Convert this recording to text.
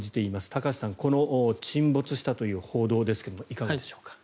高橋さん、この沈没したという報道ですがいかがでしょうか。